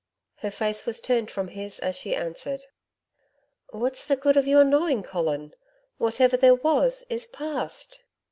Her face was turned from his as she answered: 'What's the good of your knowing, Colin? Whatever there was is past.'